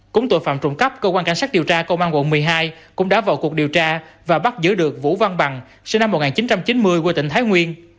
cũng tội phạm trộm cắp cơ quan cảnh sát điều tra công an quận một mươi hai cũng đã vào cuộc điều tra và bắt giữ được vũ văn bằng sinh năm một nghìn chín trăm chín mươi quê tỉnh thái nguyên